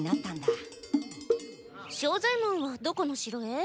庄左ヱ門はどこの城へ？